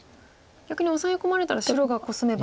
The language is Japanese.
逆にオサエ込まれたら白がコスめば。